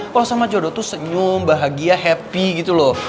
kalau sama jodoh tuh senyum bahagia happy gitu loh